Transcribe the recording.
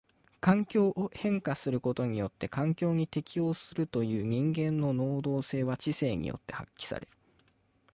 環境を変化することによって環境に適応するという人間の能動性は知性によって発揮される。